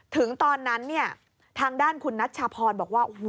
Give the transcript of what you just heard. ถึงตอนนั้นทางด้านคุณนัฐชาภารย์บอกว่า